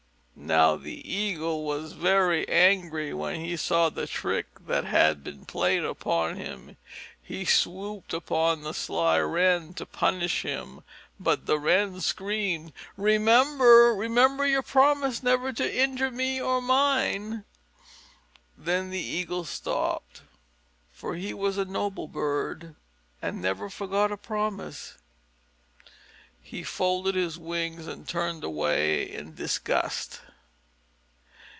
Now the Eagle was very angry when he saw the trick that had been played upon him, and he swooped upon the sly Wren to punish him. But the Wren screamed, "Remember, remember your promise never to injure me or mine!" Then the Eagle stopped, for he was a noble bird and never forgot a promise. He folded his wings and turned away in disgust.